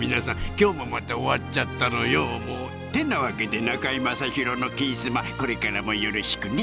今日もまた終わっちゃったのよてなわけで「中居正広の金スマ」これからもよろしくね